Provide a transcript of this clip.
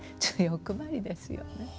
欲張りですよね。